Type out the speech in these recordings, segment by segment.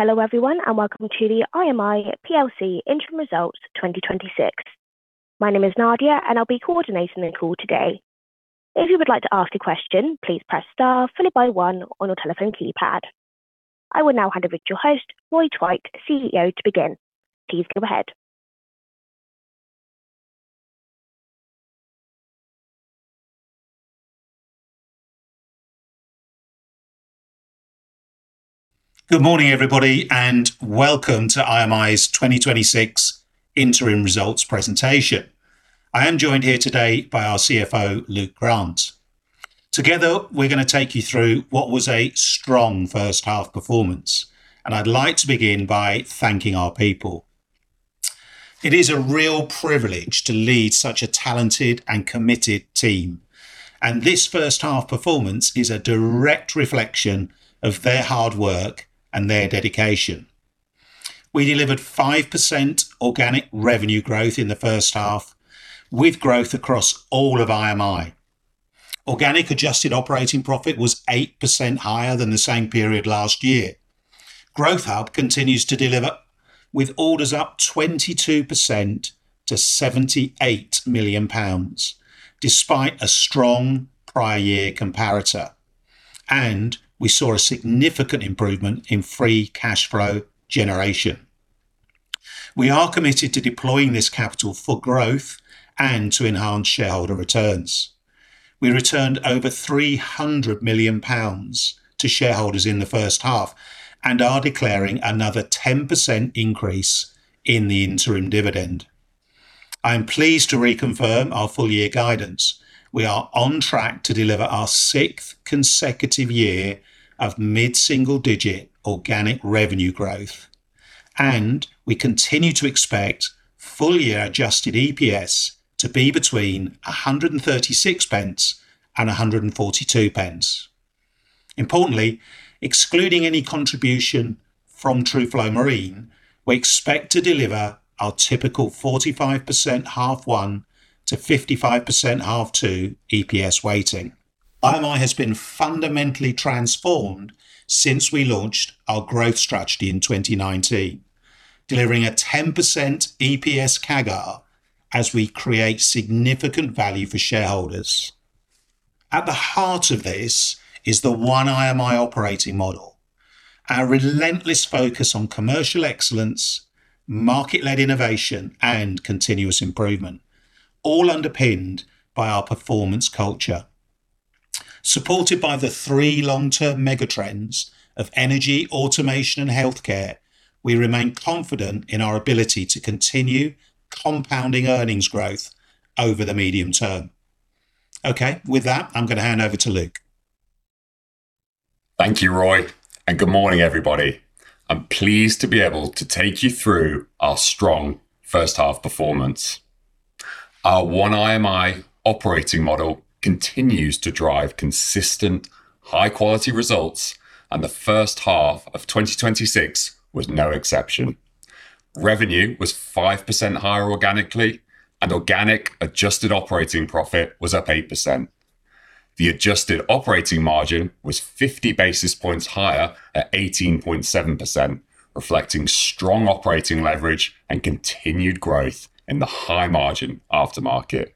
Hello everyone, and welcome to the IMI Plc Interim Results 2026. My name is Nadia, and I'll be coordinating the call today. If you would like to ask a question, please press star followed by one on your telephone keypad. I will now hand over to your host, Roy Twite, Chief Executive Officer, to begin. Please go ahead. Good morning, everybody, and welcome to IMI's 2026 interim results presentation. I am joined here today by our Chief Financial Officer, Luke Grant. Together, we're going to take you through what was a strong first half performance. I'd like to begin by thanking our people. It is a real privilege to lead such a talented and committed team, and this first half performance is a direct reflection of their hard work and their dedication. We delivered 5% organic revenue growth in the first half with growth across all of IMI. Organic adjusted operating profit was 8% higher than the same period last year. Growth Hub continues to deliver with orders up 22% to 78 million pounds, despite a strong prior year comparator. We saw a significant improvement in free cash flow generation. We are committed to deploying this capital for growth and to enhance shareholder returns. We returned over 300 million pounds to shareholders in the first half and are declaring another 10% increase in the interim dividend. I am pleased to reconfirm our full year guidance. We are on track to deliver our sixth consecutive year of mid-single digit organic revenue growth, and we continue to expect full year adjusted EPS to be between 1.36 and 1.42. Importantly, excluding any contribution from Truflo Marine, we expect to deliver our typical 45% half one to 55% half two EPS weighting. IMI has been fundamentally transformed since we launched our growth strategy in 2019, delivering a 10% EPS CAGR as we create significant value for shareholders. At the heart of this is the One IMI operating model, our relentless focus on commercial excellence, market-led innovation and continuous improvement, all underpinned by our performance culture. Supported by the three long-term mega trends of energy, Automation and healthcare, we remain confident in our ability to continue compounding earnings growth over the medium term. Okay. With that, I'm going to hand over to Luke. Thank you, Roy. Good morning, everybody. I'm pleased to be able to take you through our strong first half performance. Our One IMI operating model continues to drive consistent high-quality results, and the first half of 2026 was no exception. Revenue was 5% higher organically, and organic adjusted operating profit was up 8%. The adjusted operating margin was 50 basis points higher at 18.7%, reflecting strong operating leverage and continued growth in the high margin aftermarket,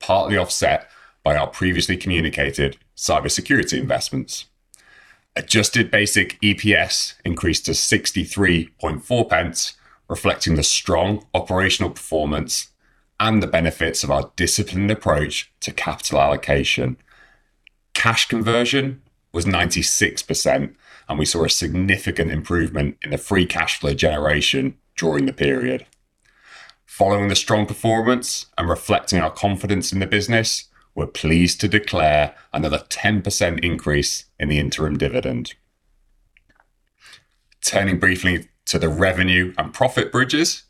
partly offset by our previously communicated cybersecurity investments. Adjusted basic EPS increased to 0.634, reflecting the strong operational performance and the benefits of our disciplined approach to capital allocation. Cash conversion was 96%, and we saw a significant improvement in the free cash flow generation during the period. Following the strong performance and reflecting our confidence in the business, we're pleased to declare another 10% increase in the interim dividend. Turning briefly to the revenue and profit bridges.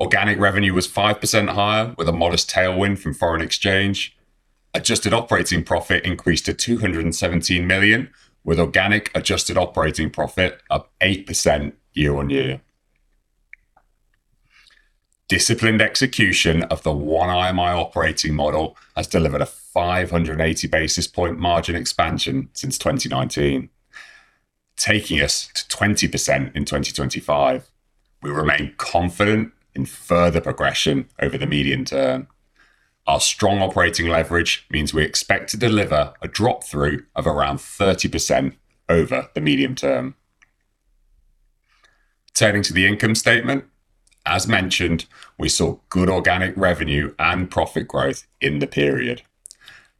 Organic revenue was 5% higher with a modest tailwind from foreign exchange. Adjusted operating profit increased to 217 million, with organic adjusted operating profit up 8% year-over-year. Disciplined execution of the One IMI operating model has delivered a 580 basis point margin expansion since 2019. Taking us to 20% in 2025, we remain confident in further progression over the medium term. Our strong operating leverage means we expect to deliver a drop-through of around 30% over the medium term. Turning to the income statement. As mentioned, we saw good organic revenue and profit growth in the period.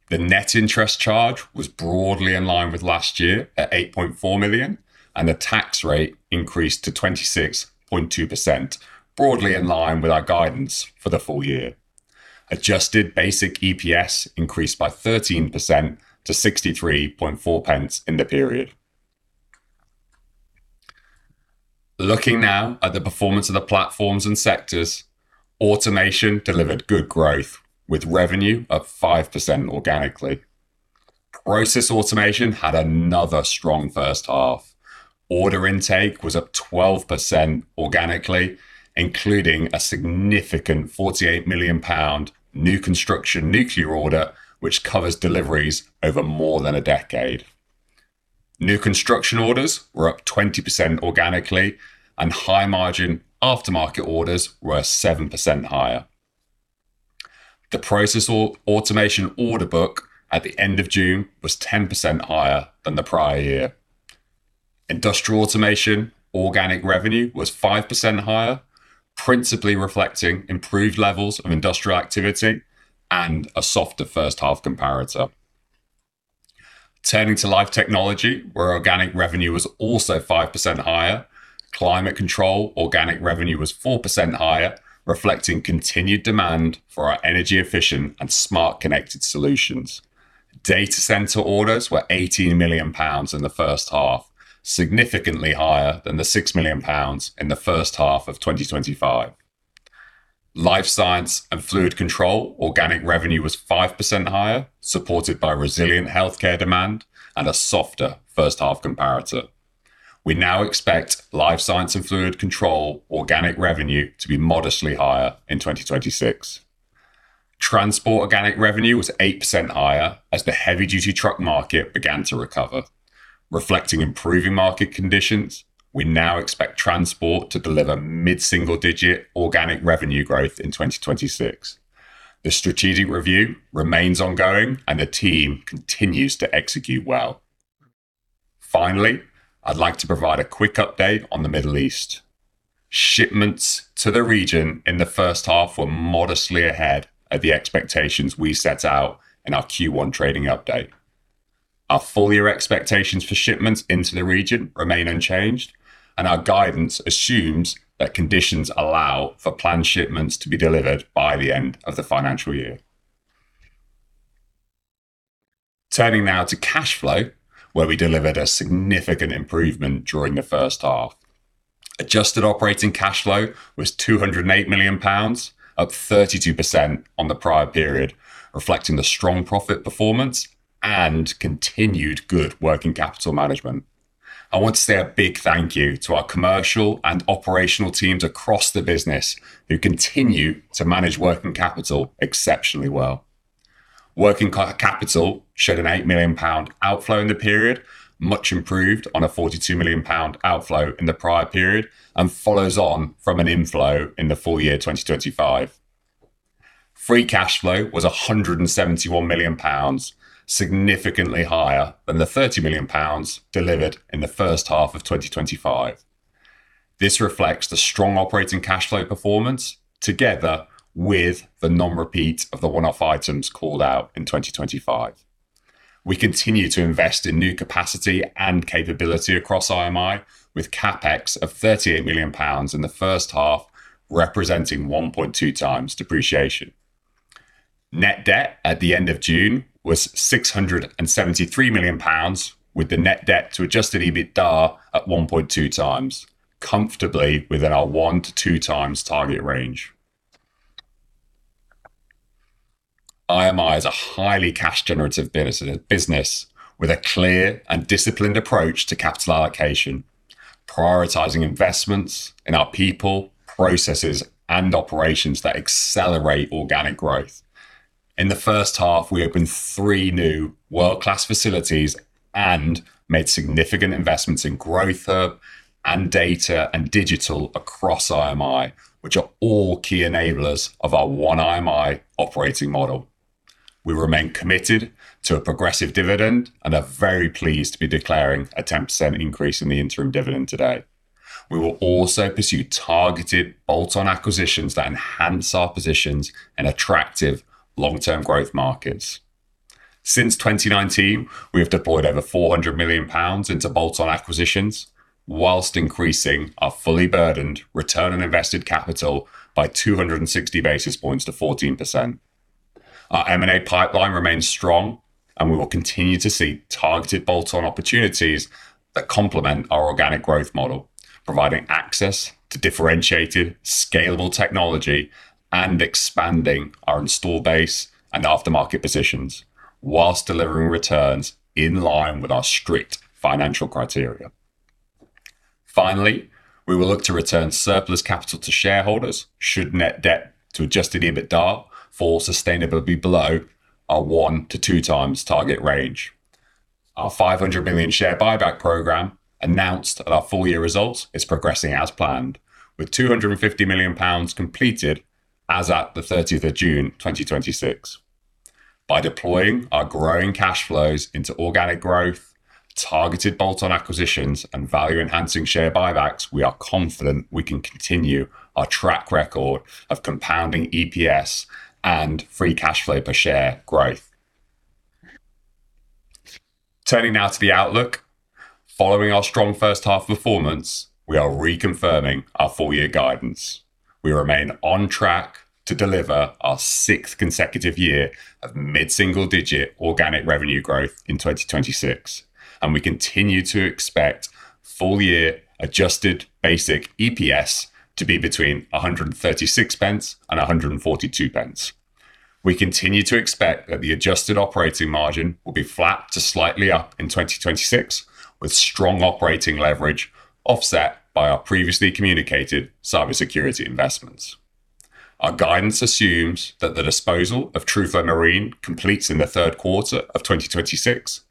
The net interest charge was broadly in line with last year at 8.4 million, and the tax rate increased to 26.2%, broadly in line with our guidance for the full year. Adjusted basic EPS increased by 13% to 0.634 in the period. Looking now at the performance of the platforms and sectors. Automation delivered good growth, with revenue up 5% organically. Process Automation had another strong first half. Order intake was up 12% organically, including a significant 48 million pound new construction nuclear order, which covers deliveries over more than a decade. New construction orders were up 20% organically, and high margin aftermarket orders were 7% higher. The Process Automation order book at the end of June was 10% higher than the prior year. Industrial Automation organic revenue was 5% higher, principally reflecting improved levels of industrial activity and a softer first-half comparator. Turning to life technology, where organic revenue was also 5% higher. Climate Control organic revenue was 4% higher, reflecting continued demand for our energy efficient and smart connected solutions. Data center orders were 18 million pounds in the first half, significantly higher than the 6 million pounds in the first half of 2025. Life Science & Fluid Control organic revenue was 5% higher, supported by resilient healthcare demand and a softer first half comparator. We now expect Life Science & Fluid Control organic revenue to be modestly higher in 2026. Transport organic revenue was 8% higher as the heavy duty truck market began to recover. Reflecting improving market conditions, we now expect Transport to deliver mid-single digit organic revenue growth in 2026. The strategic review remains ongoing and the team continues to execute well. Finally, I'd like to provide a quick update on the Middle East. Shipments to the region in the first half were modestly ahead of the expectations we set out in our Q1 trading update. Our full year expectations for shipments into the region remain unchanged, and our guidance assumes that conditions allow for planned shipments to be delivered by the end of the financial year. Turning now to cash flow, where we delivered a significant improvement during the first half. Adjusted operating cash flow was 208 million pounds, up 32% on the prior period, reflecting the strong profit performance and continued good working capital management. I want to say a big thank you to our commercial and operational teams across the business who continue to manage working capital exceptionally well. Working capital showed a 8 million pound outflow in the period, much improved on a 42 million pound outflow in the prior period, and follows on from an inflow in the full year 2025. Free cash flow was 171 million pounds, significantly higher than the 30 million pounds delivered in the first half of 2025. This reflects the strong operating cash flow performance together with the non-repeat of the one-off items called out in 2025. We continue to invest in new capacity and capability across IMI with CapEx of 38 million pounds in the first half, representing 1.2x depreciation. Net debt at the end of June was 673 million pounds, with the net debt to adjusted EBITDA at 1.2x, comfortably within our 1x-2x target range. IMI is a highly cash generative business with a clear and disciplined approach to capital allocation, prioritizing investments in our people, processes, and operations that accelerate organic growth. In the first half, we opened three new world-class facilities and made significant investments in Growth Hub and data and digital across IMI, which are all key enablers of our One IMI operating model. We remain committed to a progressive dividend and are very pleased to be declaring a 10% increase in the interim dividend today. We will also pursue targeted bolt-on acquisitions that enhance our positions in attractive long-term growth markets. Since 2019, we have deployed over 400 million pounds into bolt-on acquisitions whilst increasing our fully burdened return on invested capital by 260 basis points to 14%. Our M&A pipeline remains strong and we will continue to seek targeted bolt-on opportunities that complement our organic growth model, providing access to differentiated, scalable technology and expanding our install base and aftermarket positions whilst delivering returns in line with our strict financial criteria. Finally, we will look to return surplus capital to shareholders should net debt to adjusted EBITDA fall sustainably below our 1x-2x target range. Our 500 million share buyback program announced at our full year results is progressing as planned with 250 million pounds completed as at the 30th of June 2026. By deploying our growing cash flows into organic growth, targeted bolt-on acquisitions, and value enhancing share buybacks, we are confident we can continue our track record of compounding EPS and free cash flow per share growth. Turning now to the outlook. Following our strong first half performance, we are reconfirming our full year guidance. We remain on track to deliver our sixth consecutive year of mid-single digit organic revenue growth in 2026, and we continue to expect full year adjusted basic EPS to be between 1.36 and 1.42. We continue to expect that the adjusted operating margin will be flat to slightly up in 2026, with strong operating leverage offset by our previously communicated cybersecurity investments. Our guidance assumes that the disposal of Truflo Marine completes in the third quarter of 2026,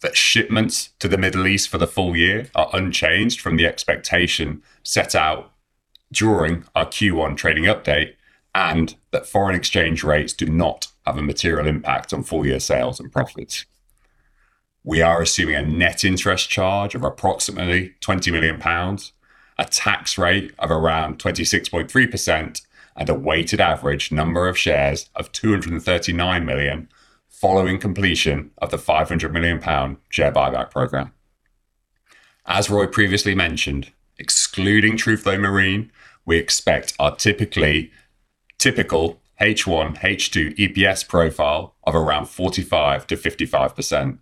that shipments to the Middle East for the full year are unchanged from the expectation set out during our Q1 trading update, and that foreign exchange rates do not have a material impact on full-year sales and profits. We are assuming a net interest charge of approximately 20 million pounds, a tax rate of around 26.3%, and a weighted average number of shares of 239 million following completion of the 500 million pound share buyback program. As Roy previously mentioned, excluding Truflo Marine, we expect our typical H1, H2 EPS profile of around 45%-55%.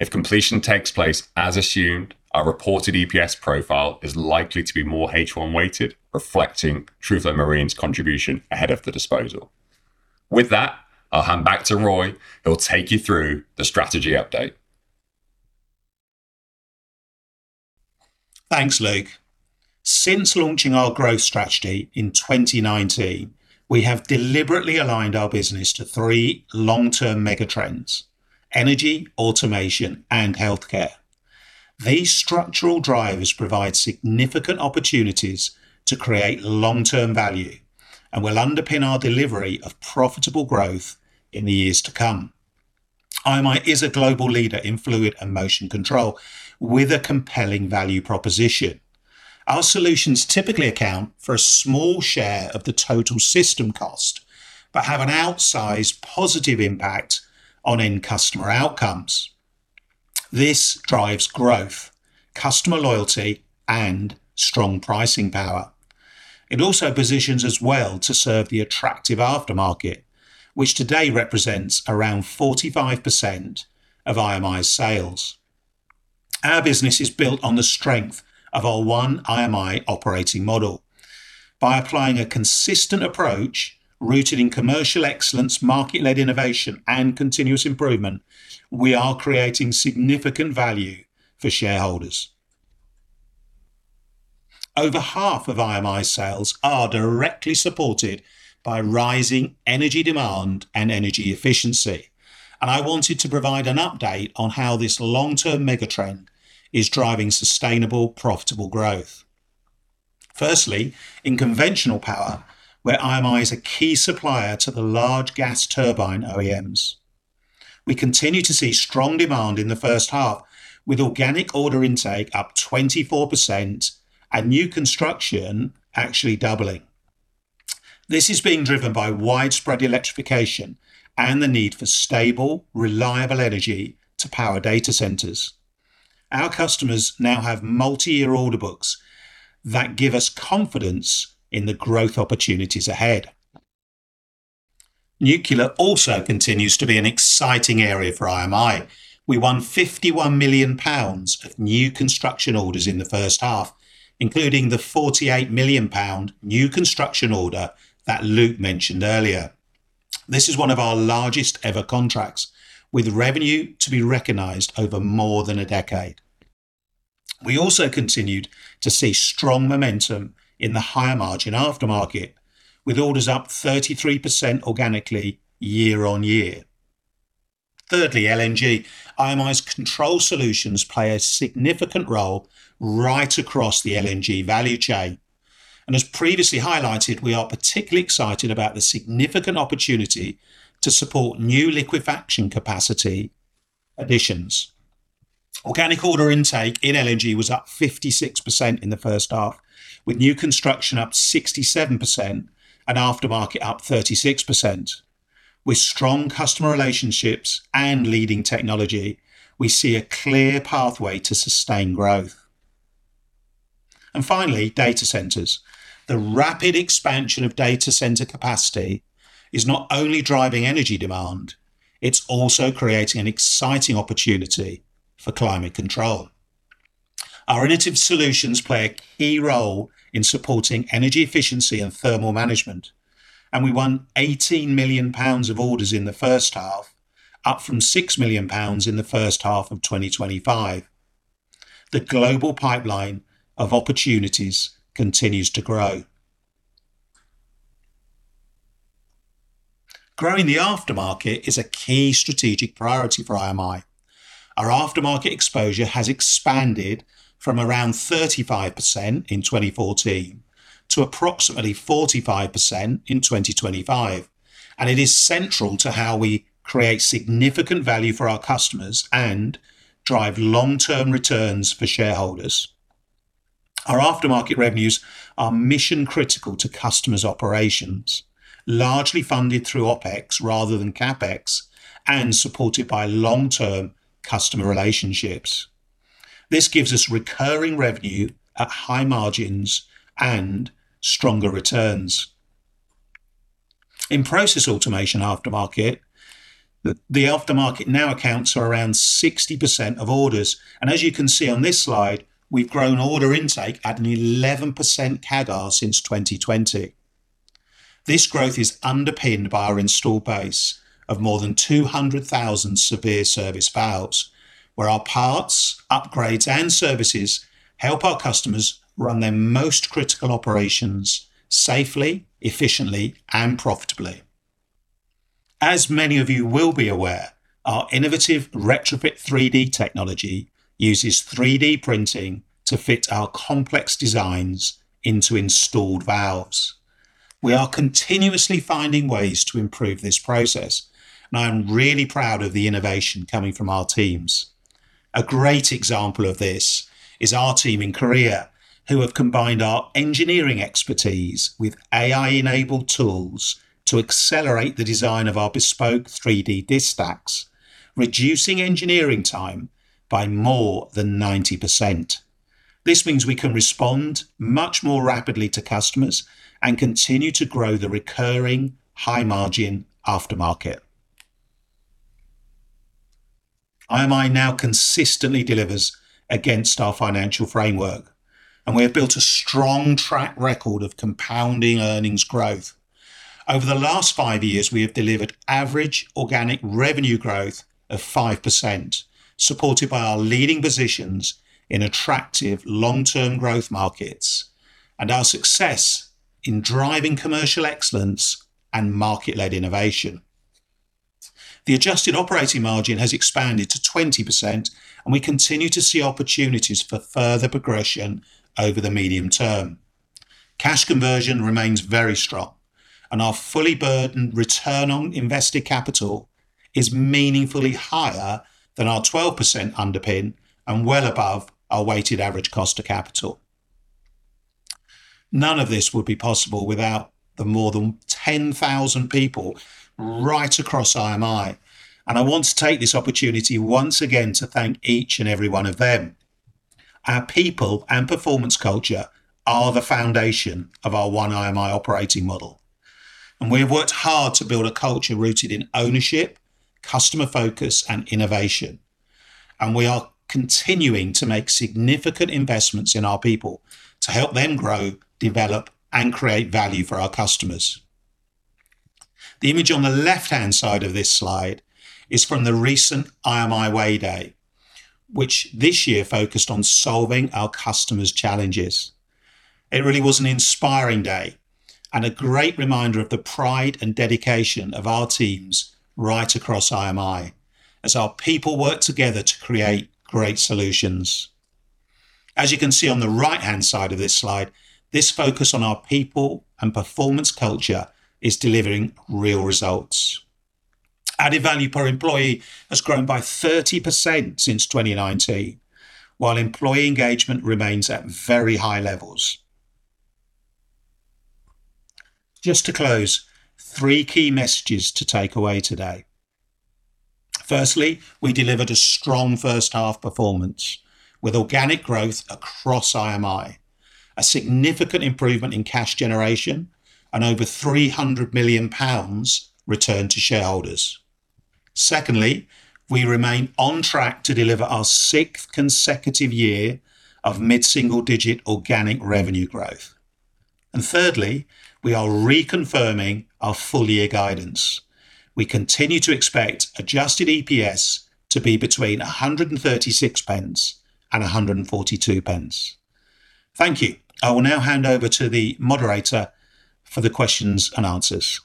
If completion takes place as assumed, our reported EPS profile is likely to be more H1 weighted, reflecting Truflo Marine's contribution ahead of the disposal. With that, I will hand back to Roy, who'll take you through the strategy update. Thanks, Luke. Since launching our growth strategy in 2019, we have deliberately aligned our business to three long-term megatrends, energy, Automation, and healthcare. These structural drivers provide significant opportunities to create long-term value and will underpin our delivery of profitable growth in the years to come. IMI is a global leader in fluid and motion control with a compelling value proposition. Our solutions typically account for a small share of the total system cost, but have an outsized positive impact on end customer outcomes. This drives growth, customer loyalty, and strong pricing power. It also positions us well to serve the attractive aftermarket, which today represents around 45% of IMI's sales. Our business is built on the strength of our One IMI operating model. By applying a consistent approach rooted in commercial excellence, market-led innovation, and continuous improvement, we are creating significant value for shareholders. Over half of IMI's sales are directly supported by rising energy demand and energy efficiency, and I wanted to provide an update on how this long-term megatrend is driving sustainable, profitable growth. Firstly, in conventional power, where IMI is a key supplier to the large gas turbine OEMs. We continue to see strong demand in the first half with organic order intake up 24% and new construction actually doubling. This is being driven by widespread electrification and the need for stable, reliable energy to power data centers. Our customers now have multi-year order books that give us confidence in the growth opportunities ahead. Nuclear also continues to be an exciting area for IMI. We won 51 million pounds of new construction orders in the first half, including the 48 million pound new construction order that Luke mentioned earlier. This is one of our largest ever contracts, with revenue to be recognized over more than a decade. We also continued to see strong momentum in the higher-margin aftermarket, with orders up 33% organically year-on-year. Thirdly, LNG. IMI's control solutions play a significant role right across the LNG value chain. As previously highlighted, we are particularly excited about the significant opportunity to support new liquefaction capacity additions. Organic order intake in LNG was up 56% in the first half, with new construction up 67% and aftermarket up 36%. With strong customer relationships and leading technology, we see a clear pathway to sustained growth. Finally, data centers. The rapid expansion of data center capacity is not only driving energy demand, it is also creating an exciting opportunity for Climate Control. Our innovative solutions play a key role in supporting energy efficiency and thermal management. We won 18 million pounds of orders in the first half, up from 6 million pounds in the first half of 2025. The global pipeline of opportunities continues to grow. Growing the aftermarket is a key strategic priority for IMI. Our aftermarket exposure has expanded from around 35% in 2014 to approximately 45% in 2025, and it is central to how we create significant value for our customers and drive long-term returns for shareholders. Our aftermarket revenues are mission-critical to customers' operations, largely funded through OpEx rather than CapEx, and supported by long-term customer relationships. This gives us recurring revenue at high margins and stronger returns. In Process Automation aftermarket, the aftermarket now accounts for around 60% of orders. As you can see on this slide, we've grown order intake at an 11% CAGR since 2020. This growth is underpinned by our install base of more than 200,000 severe service valves, where our parts, upgrades, and services help our customers run their most critical operations safely, efficiently, and profitably. As many of you will be aware, our innovative Retrofit3D technology uses 3D printing to fit our complex designs into installed valves. We are continuously finding ways to improve this process. I am really proud of the innovation coming from our teams. A great example of this is our team in Korea, who have combined our engineering expertise with AI-enabled tools to accelerate the design of our bespoke 3D disc stacks, reducing engineering time by more than 90%. This means we can respond much more rapidly to customers and continue to grow the recurring high margin aftermarket. IMI now consistently delivers against our financial framework. We have built a strong track record of compounding earnings growth. Over the last five years, we have delivered average organic revenue growth of 5%, supported by our leading positions in attractive long-term growth markets, and our success in driving commercial excellence and market-led innovation. The adjusted operating margin has expanded to 20%. We continue to see opportunities for further progression over the medium term. Cash conversion remains very strong and our fully burdened return on invested capital is meaningfully higher than our 12% underpin and well above our weighted average cost of capital. None of this would be possible without the more than 10,000 people right across IMI. I want to take this opportunity once again to thank each and every one of them. Our people and performance culture are the foundation of our One IMI operating model. We have worked hard to build a culture rooted in ownership, customer focus, and innovation. We are continuing to make significant investments in our people to help them grow, develop, and create value for our customers. The image on the left-hand side of this slide is from the recent IMI Way Day, which this year focused on solving our customers' challenges. It really was an inspiring day and a great reminder of the pride and dedication of our teams right across IMI, as our people work together to create great solutions. As you can see on the right-hand side of this slide, this focus on our people and performance culture is delivering real results. Added value per employee has grown by 30% since 2019, while employee engagement remains at very high levels. Just to close, three key messages to take away today. Firstly, we delivered a strong first half performance with organic growth across IMI, a significant improvement in cash generation, and over 300 million pounds returned to shareholders. Secondly, we remain on track to deliver our sixth consecutive year of mid-single digit organic revenue growth. Thirdly, we are reconfirming our full year guidance. We continue to expect adjusted EPS to be between 1.36 and 1.42. Thank you. I will now hand over to the moderator for the questions and answers.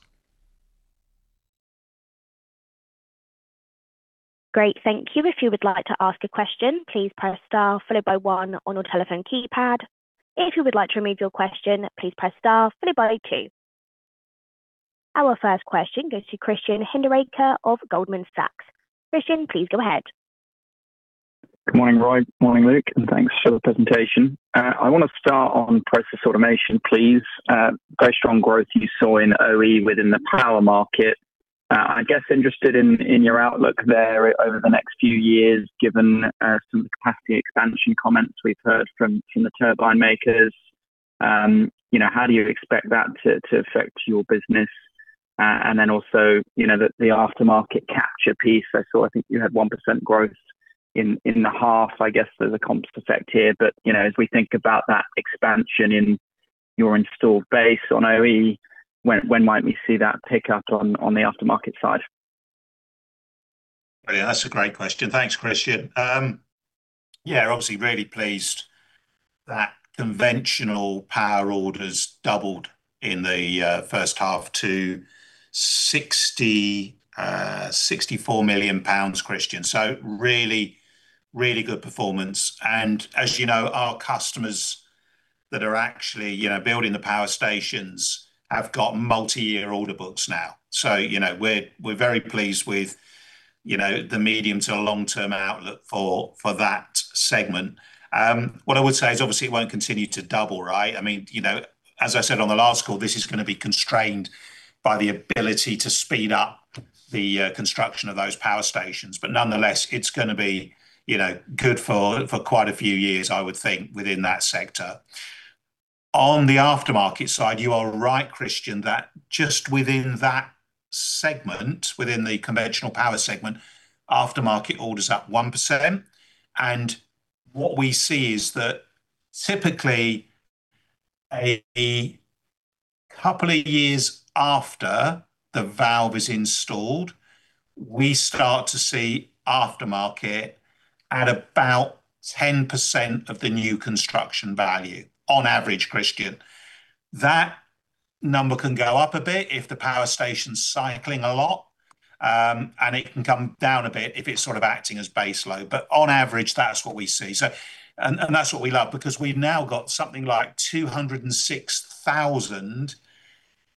Great, thank you. If you would like to ask a question, please press star followed by one on your telephone keypad. If you would like to remove your question, please press star followed by two. Our first question goes to Christian Hinderaker of Goldman Sachs. Christian, please go ahead. Good morning, Roy. Morning, Luke. Thanks for the presentation. I want to start on Process Automation, please. Very strong growth you saw in OE within the power market. I guess interested in your outlook there over the next few years given some of the capacity expansion comments we've heard from the turbine makers. How do you expect that to affect your business? Then also, the aftermarket capture piece. I saw, I think you had 1% growth in the half. I guess there's a comp effect here. But as we think about that expansion in your installed base on OE, when might we see that pick up on the aftermarket side? Brilliant. That's a great question. Thanks, Christian. Obviously very pleased that conventional power orders doubled in the first half to 64 million pounds, Christian. Really good performance. As you know, our customers that are actually building the power stations have got multi-year order books now. We're very pleased with the medium to long-term outlook for that segment. What I would say is, obviously, it won't continue to double, right? As I said on the last call, this is going to be constrained by the ability to speed up the construction of those power stations. Nonetheless, it's going to be good for quite a few years, I would think, within that sector. On the aftermarket side, you are right, Christian, that just within that segment, within the conventional power segment, aftermarket order's at 1%. What we see is that typically a couple of years after the valve is installed, we start to see aftermarket at about 10% of the new construction value on average, Christian. That number can go up a bit if the power station's cycling a lot. It can come down a bit if it's sort of acting as base load. On average, that's what we see. That's what we love, because we've now got something like 206,000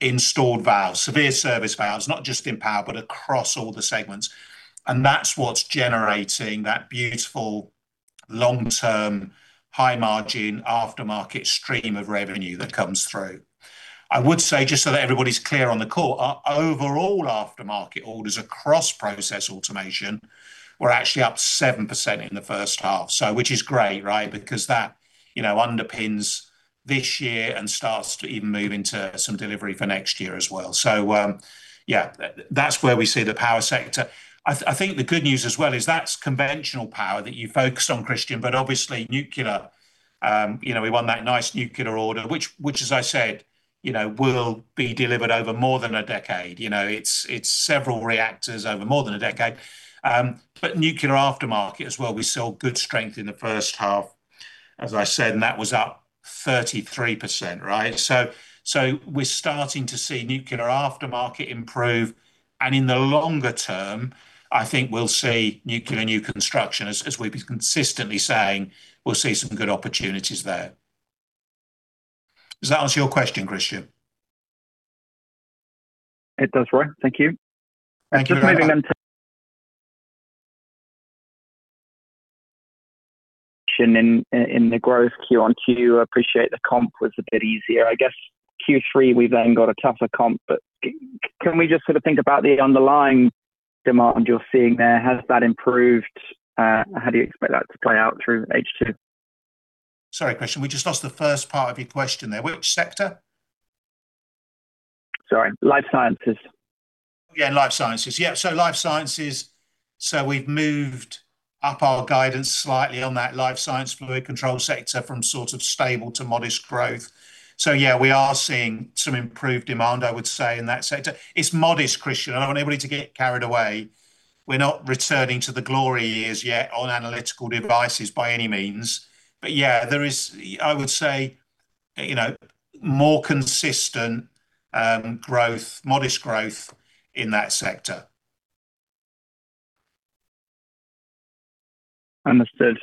installed valves, severe service valves, not just in power, but across all the segments. That's what's generating that beautiful long-term, high margin, aftermarket stream of revenue that comes through. I would say, just so that everybody's clear on the call, our overall aftermarket orders across Process Automation were actually up 7% in the first half. Which is great, because that underpins this year and starts to even move into some delivery for next year as well. Yeah, that's where we see the power sector. I think the good news as well is that's conventional power that you focused on, Christian, but obviously nuclear. We won that nice nuclear order, which as I said, will be delivered over more than a decade. It's several reactors over more than a decade. Nuclear aftermarket as well, we saw good strength in the first half, as I said, and that was up 33%, right? We're starting to see nuclear aftermarket improve, and in the longer term, I think we'll see nuclear new construction, as we've been consistently saying, we'll see some good opportunities there. Does that answer your question, Christian? It does, Roy. Thank you. Thank you very much. Just moving then to in the growth QoQ, I appreciate the comp was a bit easier. I guess Q3, we've then got a tougher comp, can we just sort of think about the underlying demand you're seeing there? Has that improved? How do you expect that to play out through H2? Sorry, Christian, we just lost the first part of your question there. Which sector? Sorry. Life sciences. Life sciences, life sciences, we've moved up our guidance slightly on that Life Science & Fluid Control sector from sort of stable to modest growth. Yeah, we are seeing some improved demand, I would say, in that sector. It's modest, Christian. I don't want anybody to get carried away. We're not returning to the glory years yet on analytical devices by any means. Yeah, there is, I would say, more consistent growth, modest growth in that sector. Understood.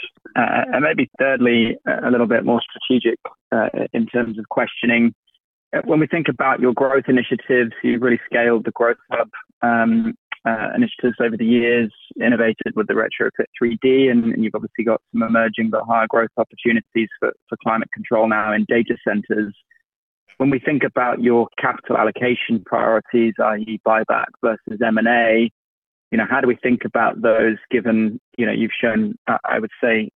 Maybe thirdly, a little bit more strategic, in terms of questioning. When we think about your growth initiatives, you've really scaled the Growth Hub initiatives over the years, innovated with the Retrofit3D, and you've obviously got some emerging but higher growth opportunities for Climate Control now in data centers. When we think about your capital allocation priorities, i.e. buyback versus M&A, how do we think about those given you've shown, I would say,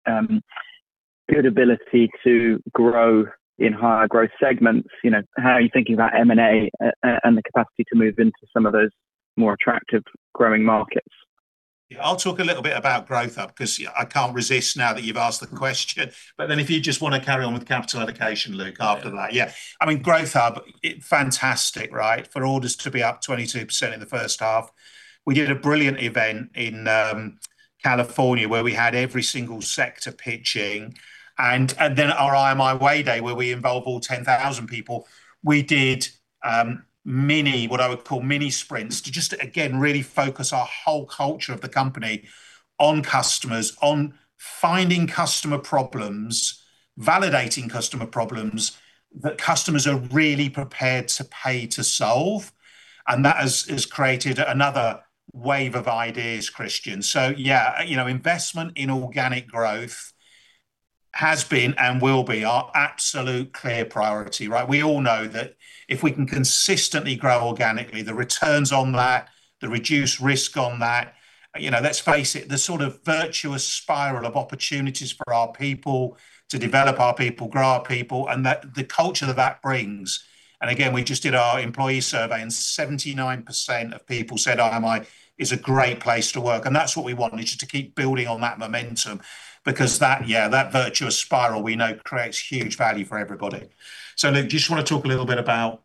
good ability to grow in higher growth segments? How are you thinking about M&A and the capacity to move into some of those more attractive growing markets? Yeah. I'll talk a little bit about Growth Hub because I can't resist now that you've asked the question. If you just want to carry on with capital allocation, Luke, after that. Yeah. Yeah. Growth Hub, fantastic for orders to be up 22% in the first half. We did a brilliant event in California where we had every single sector pitching. Our IMI Way Day, where we involve all 10,000 people, we did what I would call mini sprints to just, again, really focus our whole culture of the company on customers, on finding customer problems, validating customer problems that customers are really prepared to pay to solve. That has created another wave of ideas, Christian. Yeah, investment in organic growth has been and will be our absolute clear priority. We all know that if we can consistently grow organically, the returns on that, the reduced risk on that. Let's face it, the sort of virtuous spiral of opportunities for our people to develop our people, grow our people, and the culture that brings. Again, we just did our employee survey, and 79% of people said IMI is a great place to work. That's what we want, is just to keep building on that momentum. Because that virtuous spiral we know creates huge value for everybody. Luke, do you just want to talk a little bit about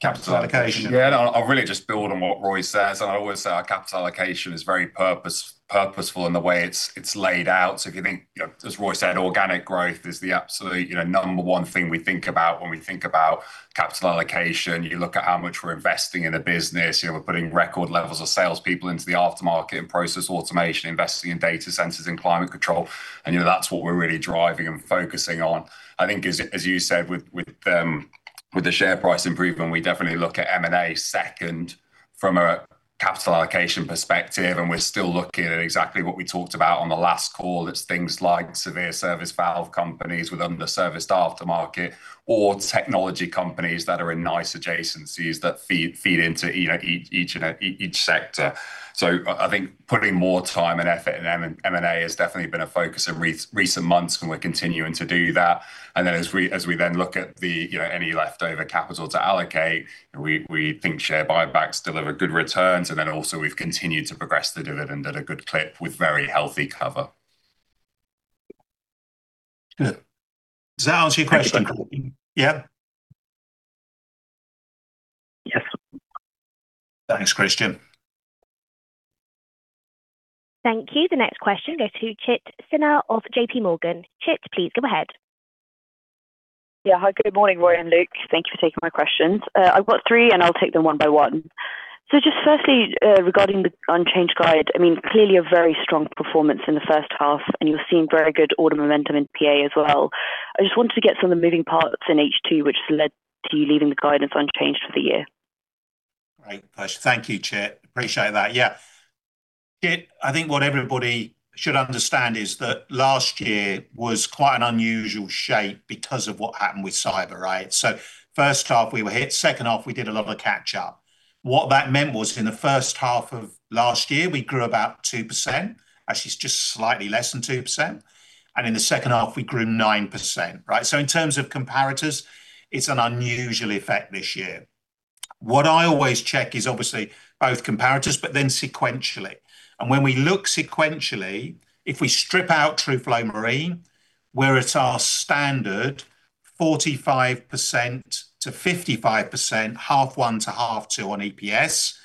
capital allocation? no, I'll really just build on what Roy says. I always say our capital allocation is very purposeful in the way it's laid out. If you think, as Roy said, organic growth is the absolute number one thing we think about when we think about capital allocation. You look at how much we're investing in a business. We're putting record levels of salespeople into the aftermarket and Process Automation, investing in data centers and Climate Control, that's what we're really driving and focusing on. I think as you said with the share price improvement, we definitely look at M&A second from a capital allocation perspective, and we're still looking at exactly what we talked about on the last call. It's things like severe service valve companies with underserviced aftermarket or technology companies that are in nice adjacencies that feed into each sector. I think putting more time and effort in M&A has definitely been a focus in recent months, and we're continuing to do that. As we then look at any leftover capital to allocate, we think share buybacks deliver good returns, then also we've continued to progress the dividend at a good clip with very healthy cover. Good, does that answer your question? Thank you. Yeah. Yes. Thanks, Christian. Thank you. The next question goes to Chit Sinha of JPMorgan. Chit, please go ahead. Yeah. Hi, good morning, Roy and Luke. Thank you for taking my questions. I've got three, and I'll take them one by one. Just firstly, regarding the unchanged guide, clearly a very strong performance in the first half, and you're seeing very good order momentum in PA as well. I just wanted to get some of the moving parts in H2, which has led to you leaving the guidance unchanged for the year. Great. Thank you, Chit. Appreciate that. Yeah. Chit, I think what everybody should understand is that last year was quite an unusual shape because of what happened with cyber, right? First half we were hit, second half we did a lot of catch up. What that meant was in the first half of last year, we grew about 2%, actually it's just slightly less than 2%, and in the second half we grew 9%, right? In terms of comparatives, it's an unusual effect this year. What I always check is obviously both comparatives, but then sequentially. When we look sequentially, if we strip out Truflo Marine, we're at our standard 45%-55%, half one to half two on EPS,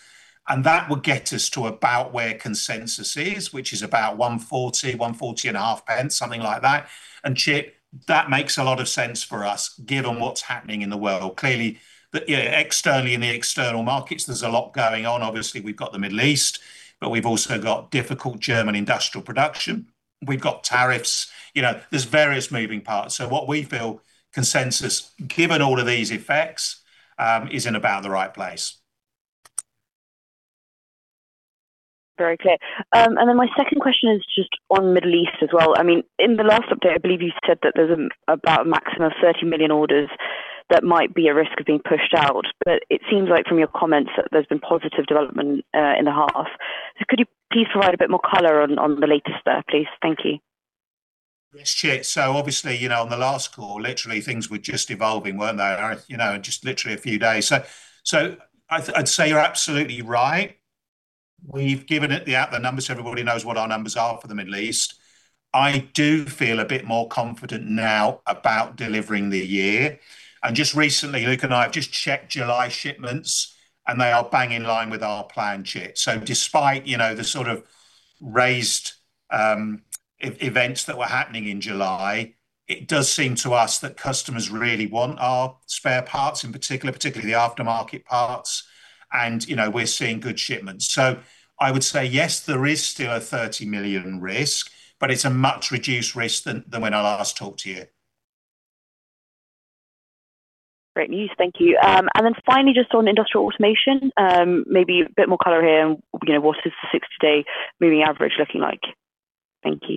and that would get us to about where consensus is, which is about 1.40, GBP 1.405, something like that. Chit, that makes a lot of sense for us given what's happening in the world. Clearly, externally in the external markets, there's a lot going on. Obviously, we've got the Middle East, but we've also got difficult German industrial production. We've got tariffs. There's various moving parts. What we feel consensus, given all of these effects, is in about the right place. Very clear. Then my second question is just on Middle East as well. In the last update, I believe you said that there's about a maximum of 30 million orders that might be a risk of being pushed out. It seems like from your comments that there's been positive development in the half. Could you please provide a bit more color on the latest there, please? Thank you. Yes, Chit. Obviously, on the last call, literally things were just evolving, weren't they? Just literally a few days. I'd say you're absolutely right. We've given out the numbers, everybody knows what our numbers are for the Middle East. I do feel a bit more confident now about delivering the year. Just recently, Luke and I have just checked July shipments. They are bang in line with our plan, Chit. Despite the sort of raised events that were happening in July, it does seem to us that customers really want our spare parts in particular, particularly the aftermarket parts. We're seeing good shipments. I would say yes, there is still a 30 million risk, but it's a much reduced risk than when I last talked to you. Great news. Thank you. Then finally, just on Industrial Automation, maybe a bit more color here. What is the 60-day moving average looking like?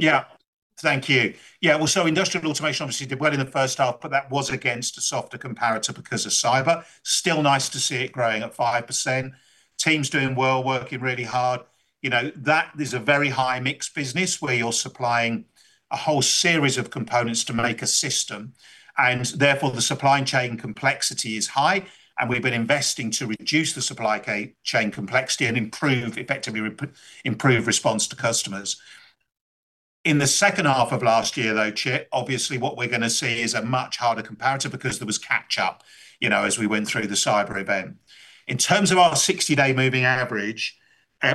Thank you. Thank you. Industrial Automation obviously did well in the first half, but that was against a softer comparator because of cyber. Still nice to see it growing at 5%. Team's doing well, working really hard. That is a very high mix business where you're supplying a whole series of components to make a system, and therefore the supply chain complexity is high, and we've been investing to reduce the supply chain complexity and effectively improve response to customers. In the second half of last year, though, Chit, obviously what we're going to see is a much harder comparator because there was catch-up as we went through the cyber event. In terms of our 60-day moving average,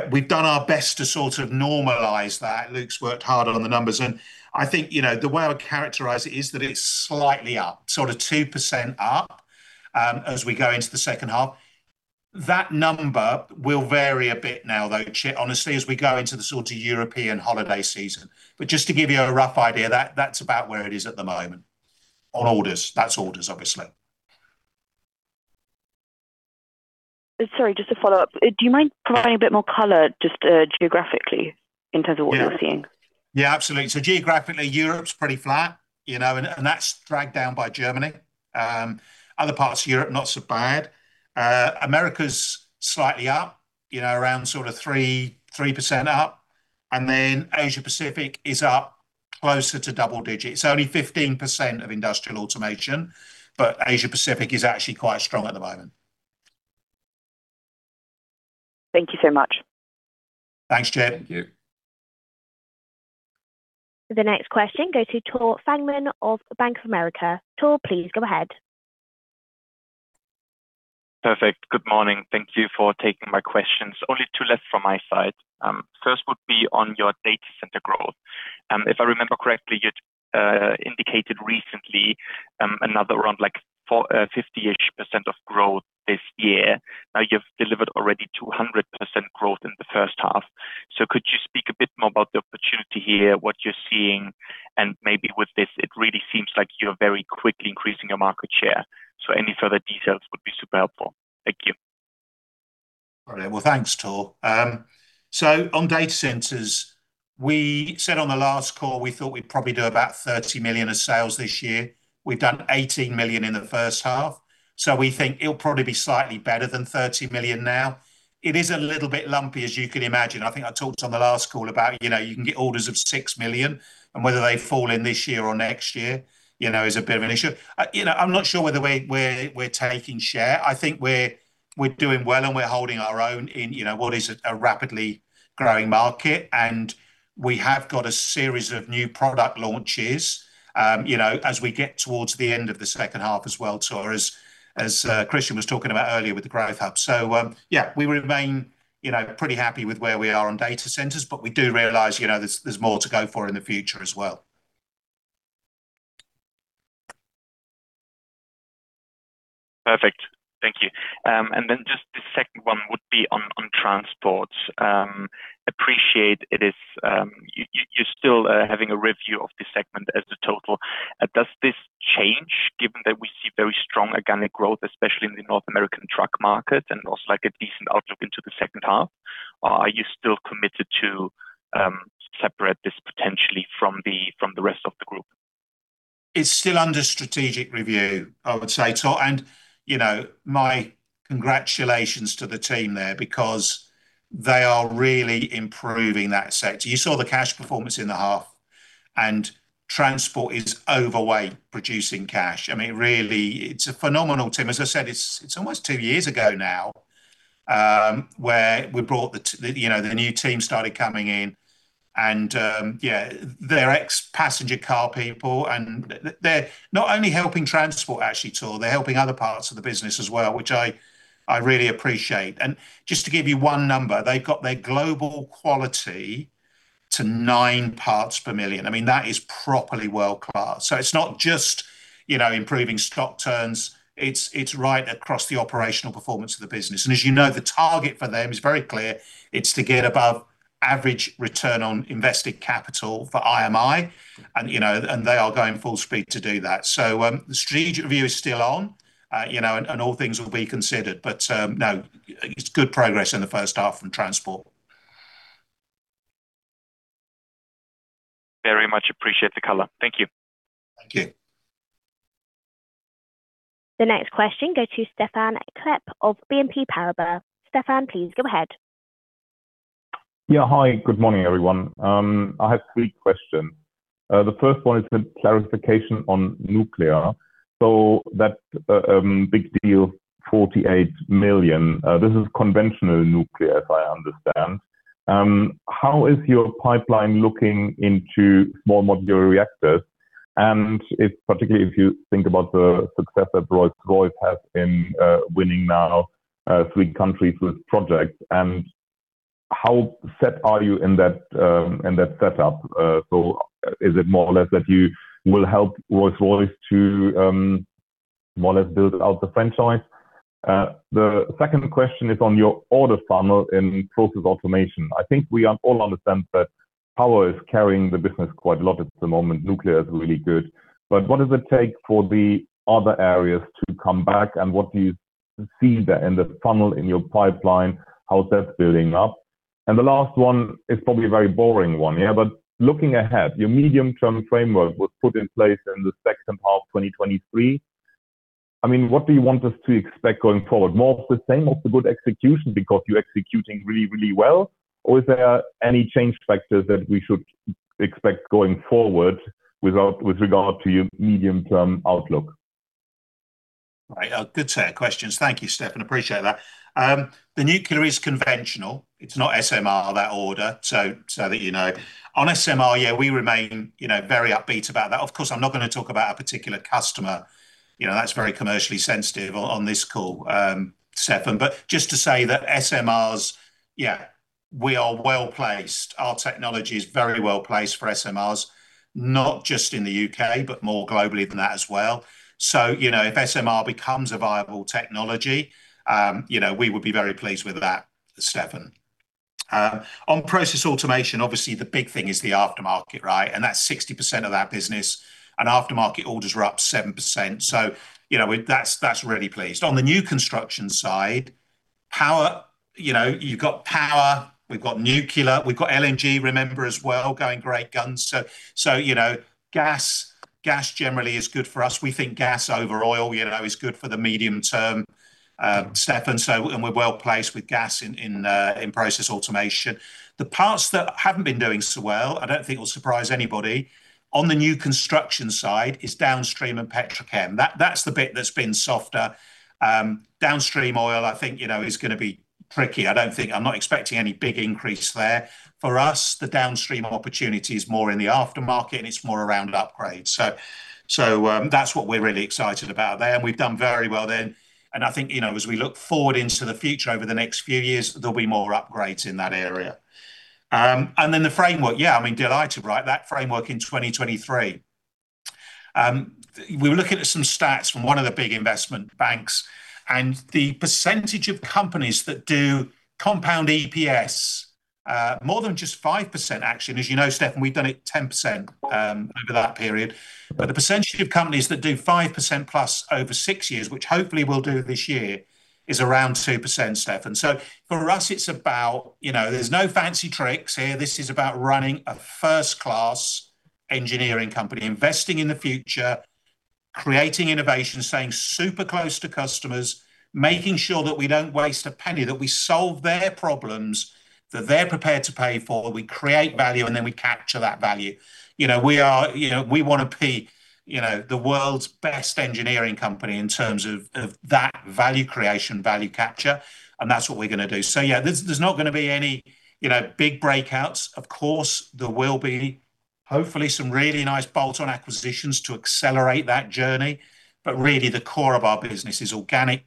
we've done our best to sort of normalize that. Luke's worked hard on the numbers. I think, the way I would characterize it is that it's slightly up, sort of 2% up, as we go into the second half. That number will vary a bit now, though, Chit, honestly, as we go into the sort of European holiday season. Just to give you a rough idea, that's about where it is at the moment on orders. That's orders, obviously. Sorry, just to follow up, do you mind providing a bit more color just geographically in terms of what you're seeing? Absolutely. Geographically, Europe's pretty flat, and that's dragged down by Germany. Other parts of Europe, not so bad. America's slightly up, around sort of 3% up. Asia Pacific is up closer to double digits. It's only 15% of Industrial Automation, but Asia Pacific is actually quite strong at the moment. Thank you so much. Thanks, Chit. The next question go to Tore Fangmann of Bank of America. Tore, please go ahead. Perfect. Good morning. Thank you for taking my questions. Only two left from my side. First would be on your data center growth. If I remember correctly, you'd indicated recently, another around like 50-ish% of growth this year. Now you've delivered already 200% growth in the first half. Could you speak a bit more about the opportunity here, what you're seeing? Maybe with this, it really seems like you're very quickly increasing your market share. Any further details would be super helpful. Thank you. All right. Well, thanks, Tore. On data centers, we said on the last call we thought we'd probably do about 30 million of sales this year. We've done 18 million in the first half. We think it'll probably be slightly better than 30 million now. It is a little bit lumpy, as you can imagine. I think I talked on the last call about you can get orders of 6 million and whether they fall in this year or next year is a bit of an issue. I'm not sure whether we're taking share. I think we're doing well and we're holding our own in what is a rapidly growing market. We have got a series of new product launches as we get towards the end of the second half as well, Tore, as Christian was talking about earlier with the Growth Hub. Yeah, we remain pretty happy with where we are on data centers, but we do realize there's more to go for in the future as well. Perfect. Thank you. Then just the second one would be on Transport. Appreciate you're still having a review of this segment as the total. Does this change, given that we see very strong organic growth, especially in the North American truck market and also a decent outlook into the second half? Are you still committed to separate this potentially from the rest of the group? It's still under strategic review, I would say, Tore. My congratulations to the team there because they are really improving that sector. You saw the cash performance in the half, and Transport is overweight producing cash. Really, it's a phenomenal team. As I said, it's almost two years ago now, where the new team started coming in and they're ex-passenger car people and they're not only helping Transport actually, Tore, they're helping other parts of the business as well, which I really appreciate. Just to give you one number, they got their global quality to nine parts per million. That is properly world-class. It's not just improving stock turns. It's right across the operational performance of the business. As you know, the target for them is very clear. It's to get above average return on invested capital for IMI. They are going full speed to do that. The strategic review is still on and all things will be considered. No, it's good progress in the first half from Transport. Very much appreciate the color. Thank you. Thank you. The next question go to Stephan Klepp of BNP Paribas. Stephan, please go ahead. Yeah. Hi, good morning, everyone. I have three questions. The first one is for clarification on nuclear. That big deal, 48 million, this is conventional nuclear, as I understand. How is your pipeline looking into more modular reactors? And particularly if you think about the success that Rolls-Royce has in winning now three countries with projects, and how set are you in that setup? Is it more or less that you will help Rolls-Royce to more or less build out the franchise? The second question is on your order funnel in Process Automation. I think we all understand that power is carrying the business quite a lot at the moment. Nuclear is really good. What does it take for the other areas to come back? What do you see there in the funnel, in your pipeline? How's that building up? The last one is probably a very boring one, yeah, looking ahead, your medium-term framework was put in place in the second half of 2023. What do you want us to expect going forward? More of the same, of the good execution because you're executing really, really well? Is there any change factors that we should expect going forward with regard to your medium-term outlook? Right. Good set of questions. Thank you, Stephan. Appreciate that. The nuclear is conventional. It's not SMR, that order. That you know. On SMR, yeah, we remain very upbeat about that. Of course, I'm not going to talk about a particular customer. That's very commercially sensitive on this call, Stephan. Just to say that SMRs, yeah, we are well-placed. Our technology is very well-placed for SMRs, not just in the U.K., but more globally than that as well. If SMR becomes a viable technology, we would be very pleased with that, Stephan. On Process Automation, obviously the big thing is the aftermarket, right? And that's 60% of our business, and aftermarket orders are up 7%. That's really pleased. On the new construction side, you've got power, we've got nuclear, we've got LNG, remember as well, going great guns. Gas generally is good for us. We think gas over oil is good for the medium term, Stephan. We're well-placed with gas in Process Automation. The parts that haven't been doing so well, I don't think it will surprise anybody, on the new construction side is downstream and petrochem. That's the bit that's been softer. Downstream oil, I think, is going to be tricky. I'm not expecting any big increase there. For us, the downstream opportunity is more in the aftermarket and it's more around upgrade. That's what we're really excited about there, and we've done very well then. I think, as we look forward into the future over the next few years, there'll be more upgrades in that area. Then the framework. Yeah, delighted, right? That framework in 2023. We were looking at some stats from one of the big investment banks, the percentage of companies that do compound EPS, more than just 5%, actually, as you know, Stephan, we've done it 10% over that period. The percentage of companies that do 5%+ over six years, which hopefully we'll do this year, is around 2%, Stephan. For us, there's no fancy tricks here. This is about running a first-class engineering company, investing in the future, creating innovation, staying super close to customers, making sure that we don't waste a penny, that we solve their problems, that they're prepared to pay for, we create value and then we cap- to that value. We want to be the world's best engineering company in terms of that value creation, value capture, and that's what we're going to do. Yeah, there's not going to be any big breakouts. Of course, there will be hopefully some really nice bolt-on acquisitions to accelerate that journey. Really, the core of our business is organic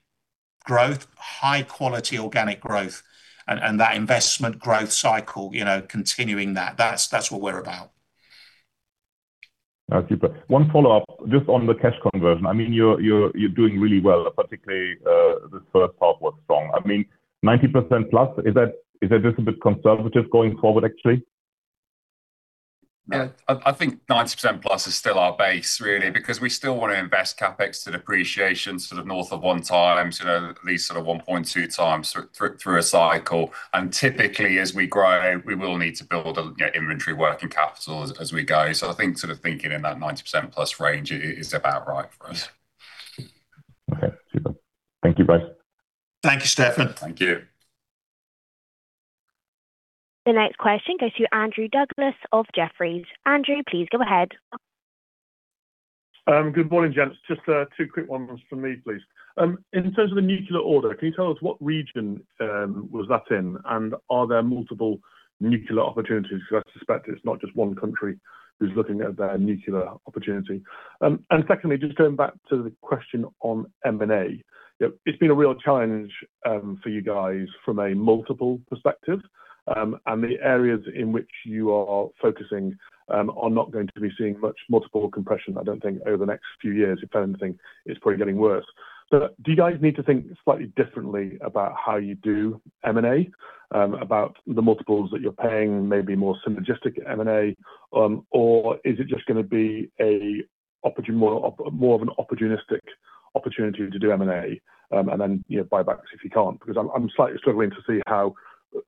growth, high quality organic growth, and that investment growth cycle, continuing that. That's what we're about. Now, super. One follow-up just on the cash conversion. You're doing really well, particularly the first half was strong. 90%+, is that just a bit conservative going forward, actually? Yeah. I think 90%+ is still our base, really, because we still want to invest CapEx to depreciation sort of north of one times, at least sort of 1.2x through a cycle. Typically, as we grow, we will need to build inventory working capital as we go. I think sort of thinking in that 90%+ range is about right for us. Okay. Super. Thank you, guys. Thank you, Stephan. Thank you. The next question goes to Andrew Douglas of Jefferies. Andrew, please go ahead. Good morning, gents. Just two quick ones from me, please. In terms of the nuclear order, can you tell us what region was that in, and are there multiple nuclear opportunities? I suspect it's not just one country who's looking at their nuclear opportunity. Secondly, just going back to the question on M&A. It's been a real challenge for you guys from a multiple perspective. The areas in which you are focusing are not going to be seeing much multiple compression, I don't think, over the next few years. If anything, it's probably getting worse. Do you guys need to think slightly differently about how you do M&A, about the multiples that you're paying, maybe more synergistic M&A? Is it just going to be more of an opportunistic opportunity to do M&A, and then buybacks if you can't? I'm slightly struggling to see how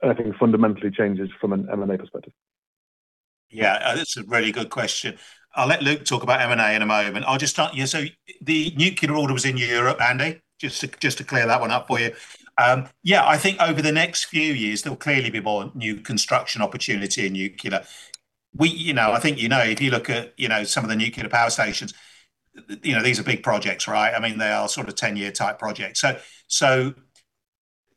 anything fundamentally changes from an M&A perspective. Yeah. That's a really good question. I'll let Luke talk about M&A in a moment. I'll just start. The nuclear order was in Europe, Andy, just to clear that one up for you. I think over the next few years, there'll clearly be more new construction opportunity in nuclear. I think you know, if you look at some of the nuclear power stations, these are big projects, right? They are sort of 10-year type projects.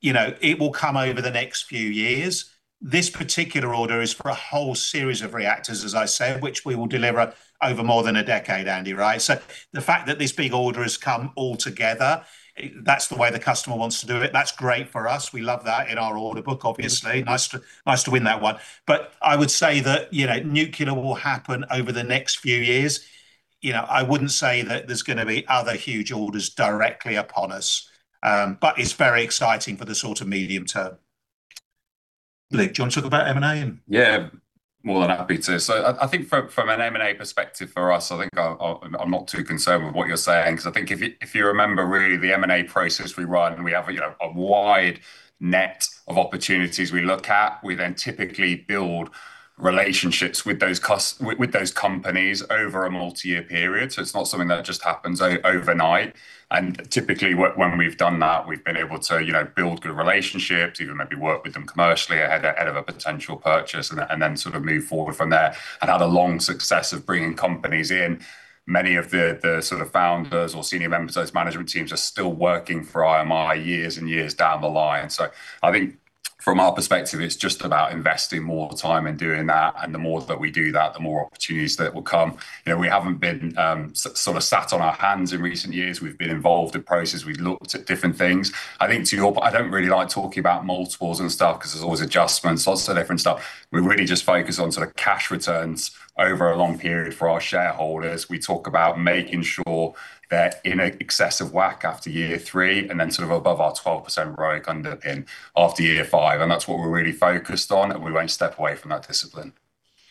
It will come over the next few years. This particular order is for a whole series of reactors, as I said, which we will deliver over more than a decade, Andy, right? The fact that this big order has come all together, that's the way the customer wants to do it. That's great for us. We love that in our order book, obviously. Nice to win that one. I would say that, nuclear will happen over the next few years. I wouldn't say that there's going to be other huge orders directly upon us. It's very exciting for the sort of medium term. Luke, do you want to talk about M&A? Yeah. More than happy to. I think from an M&A perspective for us, I think I'm not too concerned with what you're saying, because I think if you remember really the M&A process we run, and we have a wide net of opportunities we look at. We then typically build relationships with those companies over a multi-year period. It's not something that just happens overnight. Typically, when we've done that, we've been able to build good relationships, even maybe work with them commercially ahead of a potential purchase, and then sort of move forward from there, and had a long success of bringing companies in. Many of the sort of founders or senior members of those management teams are still working for IMI years and years down the line. I think from our perspective, it's just about investing more time in doing that. The more that we do that, the more opportunities that will come. We haven't been sort of sat on our hands in recent years. We've been involved in process. We've looked at different things. I think to your point, I don't really like talking about multiples and stuff because there's always adjustments, lots of different stuff. We really just focus on sort of cash returns over a long period for our shareholders. We talk about making sure they're in excess of WACC after year three, and then sort of above our 12% ROIC underpin after year five, and that's what we're really focused on, and we won't step away from that discipline.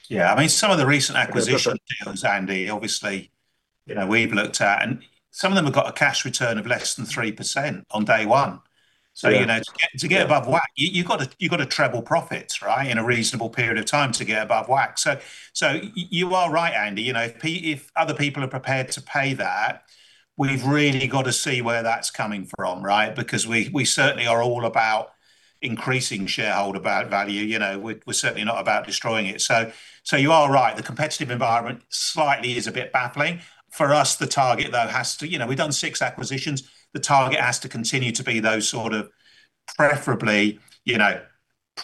Yeah. Some of the recent acquisition deals, Andy, obviously, we've looked at and some of them have got a cash return of less than 3% on day one. Yeah. To get above WACC, you've got to treble profits, right, in a reasonable period of time to get above WACC. You are right, Andy. If other people are prepared to pay that, we've really got to see where that's coming from, right? Because we certainly are all about increasing shareholder value. We're certainly not about destroying it. You are right. The competitive environment slightly is a bit baffling. For us, the target, though, has to We've done six acquisitions. The target has to continue to be those sort of preferably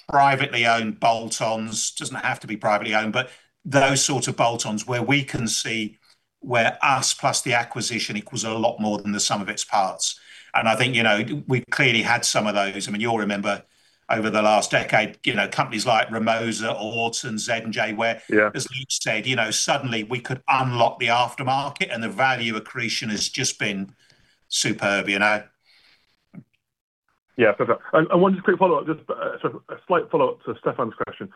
privately owned bolt-ons. Doesn't have to be privately owned. But those sort of bolt-ons where we can see where us plus the acquisition equals a lot more than the sum of its parts. I think we've clearly had some of those. You all remember over the last decade, companies like IMI Remosa or IMI Orton, IMI Z&J, where as Luke said, suddenly we could unlock the aftermarket, and the value accretion has just been superb. Perfect. One just quick follow-up, just a slight follow-up to Stephan's question.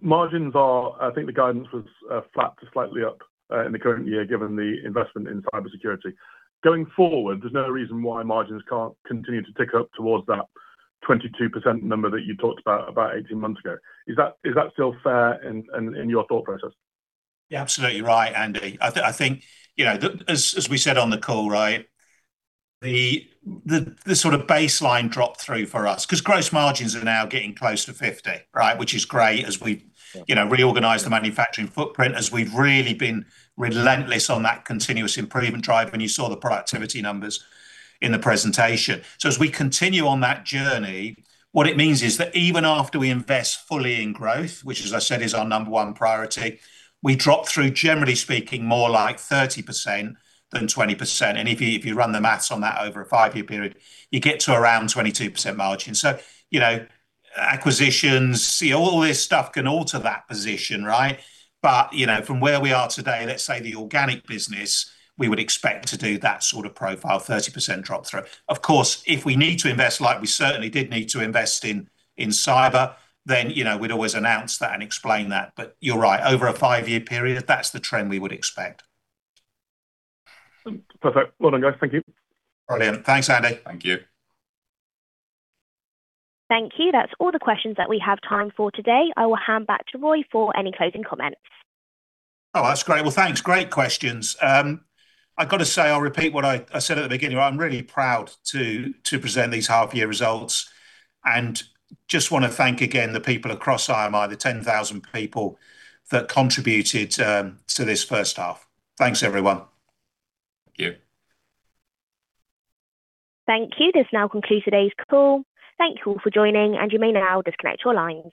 Margins are, I think the guidance was flat to slightly up in the current year, given the investment in cybersecurity. Going forward, there's no reason why margins can't continue to tick up towards that 22% number that you talked about 18 months ago. Is that still fair in your thought process? You're absolutely right, Andy. I think, as we said on the call, right, the sort of baseline dropped through for us because gross margins are now getting close to 50%, right? Which is great as we've reorganized the manufacturing footprint, as we've really been relentless on that continuous improvement drive. You saw the productivity numbers in the presentation. As we continue on that journey, what it means is that even after we invest fully in growth, which as I said is our number one priority, we drop through, generally speaking, more like 30% than 20%. If you run the maths on that over a five year period, you get to around 22% margin. Acquisitions, all this stuff can alter that position, right? From where we are today, let's say the organic business, we would expect to do that sort of profile, 30% drop through. Of course, if we need to invest, like we certainly did need to invest in cyber, we'd always announce that and explain that. You're right. Over a five-year period, that's the trend we would expect. Perfect. Well done, guys. Thank you. Brilliant. Thanks, Andy. Thank you. Thank you. That's all the questions that we have time for today. I will hand back to Roy for any closing comments. Oh, that's great. Well, thanks. Great questions. I got to say, I'll repeat what I said at the beginning. I'm really proud to present these half year results, and just want to thank again the people across IMI, the 10,000 people that contributed to this first half. Thanks, everyone. Thank you. Thank you. This now concludes today's call. Thank you all for joining, and you may now disconnect your lines.